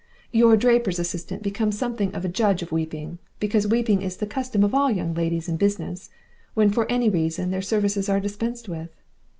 Your draper's assistant becomes something of a judge of weeping, because weeping is the custom of all Young Ladies in Business, when for any reason their services are dispensed with.